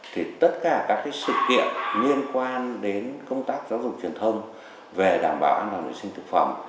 thì tất cả các sự kiện liên quan đến công tác giáo dục truyền thông về đảm bảo an toàn vệ sinh thực phẩm